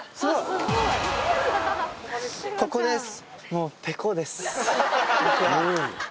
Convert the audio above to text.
ここです！